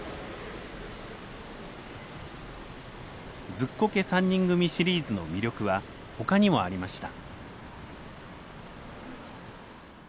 「ズッコケ三人組」シリーズの魅力はほかにもありました。